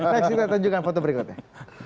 next kita tunjukkan foto berikutnya